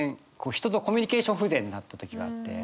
人とコミュニケーション不全になった時があって。